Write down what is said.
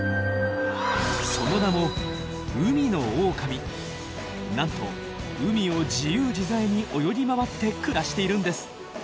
その名もなんと海を自由自在に泳ぎ回って暮らしているんです。